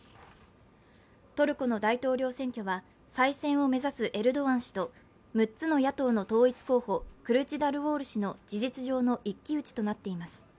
トルコの大統領選挙は再選を目指すエルドアン氏と６つの野党の統一候補クルチダルオール氏の事実上の一騎打ちとなっています。